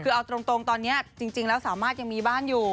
คือเอาตรงตอนนี้จริงแล้วสามารถยังมีบ้านอยู่